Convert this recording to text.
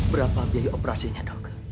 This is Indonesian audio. berapa biaya operasinya dok